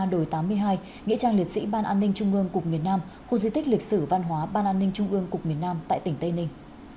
đội tám mươi hai nghĩa trang liệt sĩ ban an ninh trung ương cục miền nam khu di tích lịch sử văn hóa ban an ninh trung ương cục miền nam tại tỉnh tây ninh